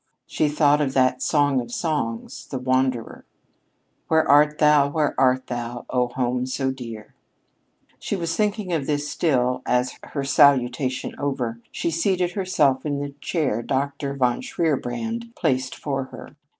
She thought of that song of songs, "The Wanderer." "Where art thou? Where art thou, O home so dear?" She was thinking of this still as, her salutation over, she seated herself in the chair Dr. von Shierbrand placed for her.